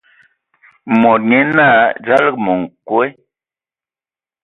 Mod nyé naa: "Dzalǝga ma nkwe !".